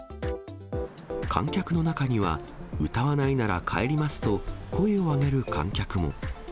観客の中には、歌わないなら帰りますと、声を上げる観客も。